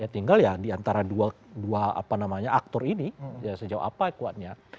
tinggal ya diantara dua aktor ini sejauh apa kuatnya